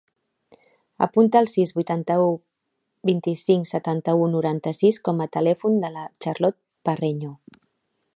Apunta el sis, vuitanta-u, vint-i-cinc, setanta-u, noranta-sis com a telèfon de la Charlotte Parreño.